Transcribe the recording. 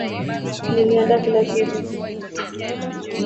Nilianda kila kitu.